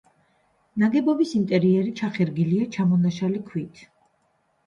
ნაგებობის ინტერიერი ჩახერგილია ჩამონაშალი ქვით.